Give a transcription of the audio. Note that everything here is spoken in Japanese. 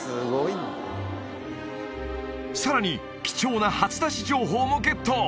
さらに貴重な初出し情報もゲット